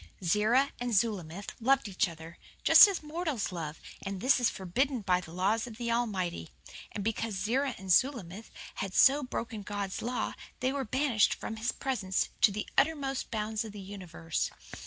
"Zerah and Zulamith loved each other, just as mortals love, and this is forbidden by the laws of the Almighty. And because Zerah and Zulamith had so broken God's law they were banished from His presence to the uttermost bounds of the universe.